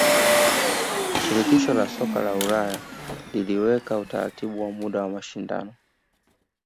shirikisho la soka la ulaya liliaweka utaratibu wa muda wa mashindano